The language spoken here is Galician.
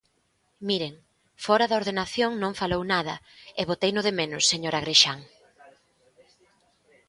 Miren, fóra da ordenación non falou nada, e boteino de menos, señor Agrexán.